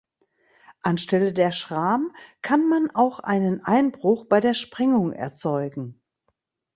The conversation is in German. Anstelle der Schram kann man auch einen Einbruch bei der Sprengung erzeugen.